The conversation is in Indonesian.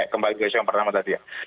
kembali ke g dua puluh yang pertama tadi ya